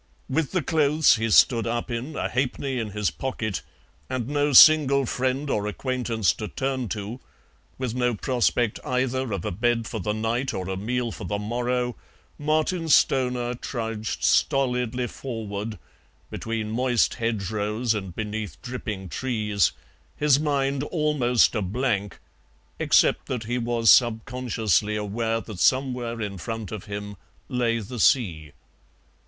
With the clothes he stood up in, a halfpenny in his pocket, and no single friend or acquaintance to turn to, with no prospect either of a bed for the night or a meal for the morrow, Martin Stoner trudged stolidly forward, between moist hedgerows and beneath dripping trees, his mind almost a blank, except that he was subconsciously aware that somewhere in front of him lay the sea.